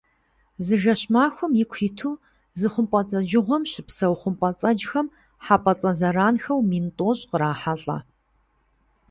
Зы жэщ-махуэм ику иту зы хъумпӀэцӀэджыгъуэм щыпсэу хъумпӀэцӀэджхэм хьэпӀацӀэ зэранхэу мин тӀощӀ кърахьэлӀэ.